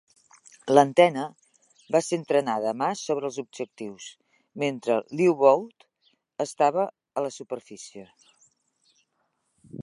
L'antena va ser entrenada a mà sobre els objectius, mentre que l'U-Boat estava a la superfície.